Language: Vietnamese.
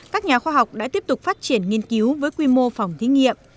các nhà khoa học đã tiếp tục phát triển nghiên cứu với quy mô phòng thí nghiệm